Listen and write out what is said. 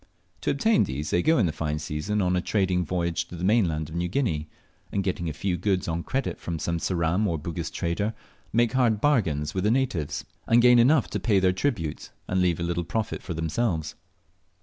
To obtain these, they go in the fine season on a trading voyage to the mainland of New Guinea, and getting a few goods on credit from some Ceram or Bugis trader, make hard bargains with the natives, and gain enough to pay their tribute, and leave a little profit for themselves.